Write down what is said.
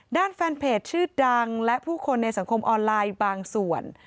ด้านแฟนเพจชื่อดังและผู้คนในสังคมออนไลน์บางส่วน